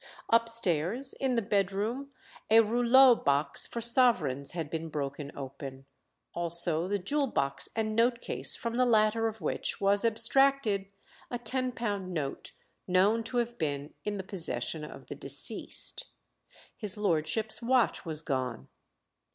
Upstairs in the bed room a rouleaux box for sovereigns had been broken open, also the jewel box and note case, from the latter of which was abstracted a ten pound note known to have been in the possession of the deceased. His lordship's watch was gone.